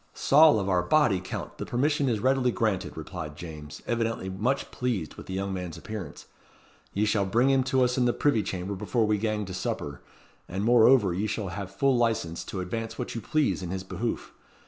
"Saul of our body, Count, the permission is readily granted," replied James, evidently much pleased with the young man's appearance. "Ye shall bring him to us in the privy chamber before we gang to supper, and moreover ye shall hae full licence to advance what you please in his behoof.